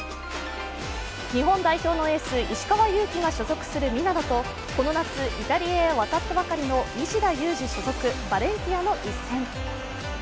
日本代表のエース、石川祐希が所属するミラノとこの夏、イタリアへ渡ったばかりの西田有志所属、バレンティアの一戦。